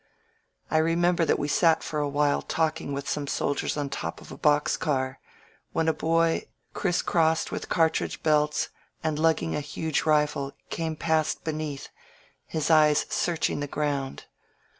I remember that we sat for a while talking with some soldiers on the top of a box car, when a boy, criss crossed with cartridge belts and lug ging a huge rifle, came past beneath, his eyes searching the ground.